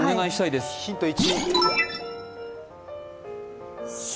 ヒント１。